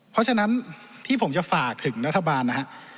เพราะฉะนั้นที่ผมจะฝากถึงรัฐบาลนะฮะ